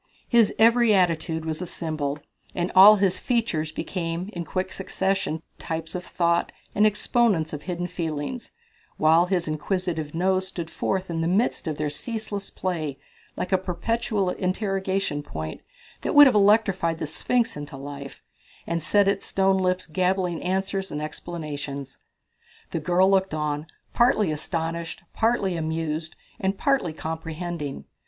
His every attitude was a symbol, and all his features became in quick succession types of thought and exponents of hidden feelings, while his inquisitive nose stood forth in the midst of their ceaseless play like a perpetual interrogation point that would have electrified the Sphinx into life, and set its stone lips gabbling answers and explanations. The girl looked on, partly astonished, partly amused, and partly comprehending.